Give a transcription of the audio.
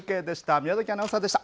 宮崎アナウンサーでした。